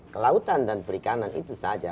kelautan dan perikanan itu saja